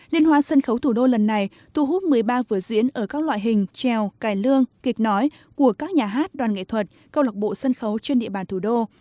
liên hoan sân khấu thủ đô lần này thu hút một mươi ba vở diễn ở các loại hình trèo cải lương kịch nói của các nhà hát đoàn nghệ thuật câu lạc bộ sân khấu trên địa bàn thủ đô